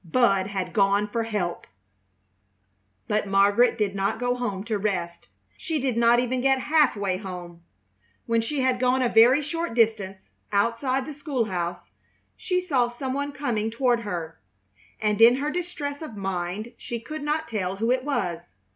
Bud had gone for help! But Margaret did not go home to rest. She did not even get half way home. When she had gone a very short distance outside the school house she saw some one coming toward her, and in her distress of mind she could not tell who it was.